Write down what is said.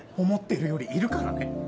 思ってるよりいるからね